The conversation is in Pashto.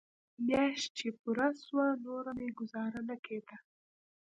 مياشت چې پوره سوه نور مې گوزاره نه کېده.